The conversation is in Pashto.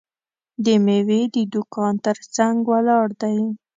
د میوې د دوکان ترڅنګ ولاړ دی.